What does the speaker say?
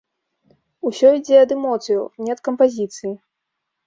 Усё ідзе ад эмоцыяў, не ад кампазіцыі.